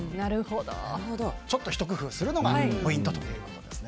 ちょっとひと工夫するのがポイントということです。